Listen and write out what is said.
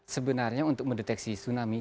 sebenarnya untuk mendeteksi tsunami